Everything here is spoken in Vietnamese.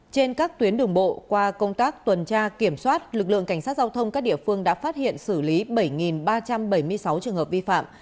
trên các tuyến đường bộ qua công tác tuần tra kiểm soát lực lượng cảnh sát giao thông các địa phương đã phát hiện xử lý bảy ba trăm bảy mươi sáu trường hợp vi phạm